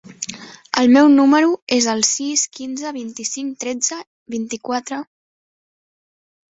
El meu número es el sis, quinze, vint-i-cinc, tretze, vint-i-quatre.